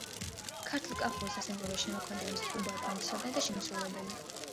ქართლ-კახური სასიმღერო შემოქმედების უბადლო მცოდნე და შემსრულებელი.